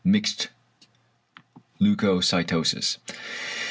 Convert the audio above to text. ("Mixed leucocytosis.")